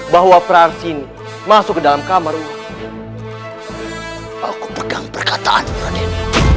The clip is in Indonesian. bahwa praarsini masuk ke dalam kamar aku pegang perkataanmu radin